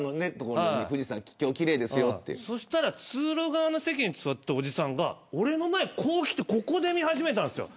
そしたら通路側の席のおじさんが俺の前にこう来てここで見始めたんです。